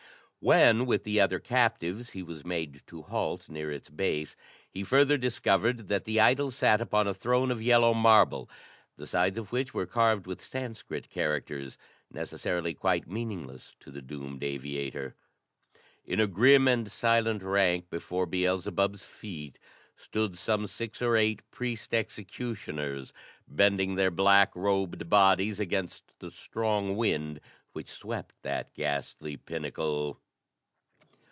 When, with the other captives, he was made to halt near its base, he further discovered that the idol sat upon a throne of yellow marble, the sides of which were carved with Sanskrit characters, necessarily quite meaningless to the doomed aviator. In a grim and silent rank before Beelzebub's feet, stood some six or eight priest executioners bending their black robed bodies against the strong wind which swept that ghastly pinnacle.